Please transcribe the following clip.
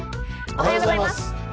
おはようございます。